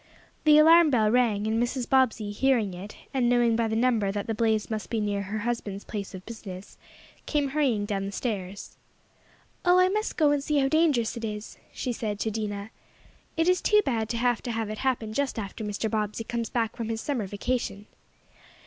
The alarm bell rang, and Mrs. Bobbsey, hearing it, and knowing by the number that the blaze must be near her husband's place of business, came hurrying down stairs. "Oh, I must go and see how dangerous it is," she said to Dinah. "It is too bad to have it happen just after Mr. Bobbsey comes back from his summer vacation."